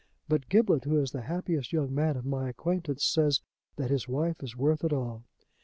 But Giblet, who is the happiest young man of my acquaintance, says that his wife is worth it all.